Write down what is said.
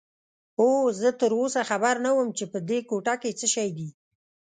اوه، زه تراوسه خبر نه وم چې په دې کوټه کې څه شی دي.